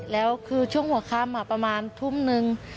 แล้วคือช่วงหัวค่ำประมาณทุ่มนึง